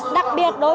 đặc biệt đối với